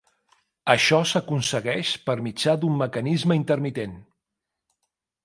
Això s'aconsegueix per mitjà d'un mecanisme intermitent.